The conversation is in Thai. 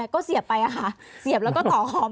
ก็เสียบไปค่ะเสียบแล้วก็ต่อคอม